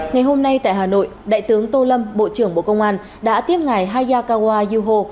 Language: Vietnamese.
ngày hôm nay tại hà nội đại tướng tô lâm bộ trưởng bộ công an đã tiếp ngài hayakawa yuho